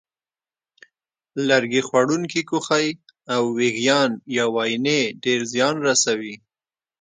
لرګي خوړونکي کوخۍ او وېږیان یا واینې ډېر زیان رسوي.